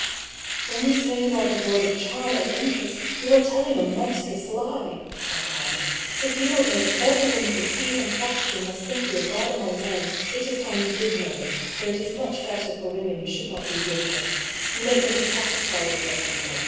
" When you say you are devoid of charm and interest you are telling a monstrous lie," I cried. " If you don't know that every woman who sees and talks to you must think you a god among men, it is time you did know it ; for it is much better for women you should not be with them. You make them dissatisfied with their people.